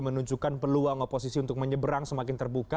menunjukkan peluang oposisi untuk menyeberang semakin terbuka